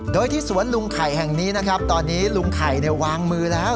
โดยที่สวนลุงไข่แห่งนี้นะครับตอนนี้ลุงไข่วางมือแล้ว